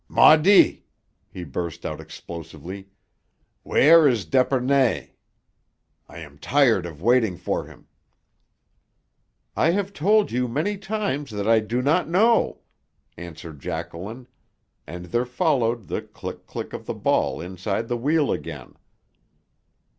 "Maudit!" he burst out explosively. "Where is d'Epernay? I am tired of waiting for him!" "I have told you many times that I do not know," answered Jacqueline; and there followed the click click of the ball inside the wheel again.